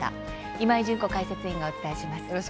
今井純子解説委員がお伝えします。